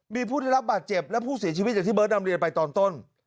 มีผู้ได้รับบาดเจ็บและผู้เสียชีวิตอย่างที่เบิร์ตนำเรียนไปตอนต้น